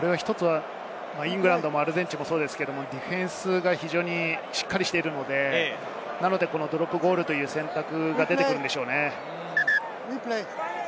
イングランドもアルゼンチンも、ディフェンスが非常にしっかりしているので、ドロップゴールという選択が出てくるのでしょうね。